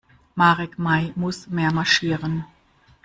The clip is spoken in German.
Marek Mai muss mehr marschieren.